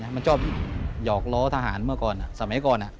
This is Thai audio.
มันชอบหยอกล้อทหารเมื่อก่อนสมัยก่อน